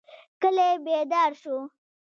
کلی بیدار شو.